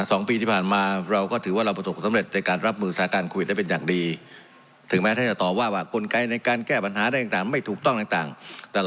สองปีที่ผ่านมาเราก็ถือว่าเราประสบความสำเร็จ